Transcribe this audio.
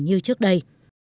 như trước đây